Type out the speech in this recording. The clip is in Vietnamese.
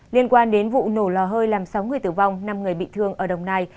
liên quan đến vụ nổ lò hơi làm sáu người tử vong năm người bị thương ở đồng nai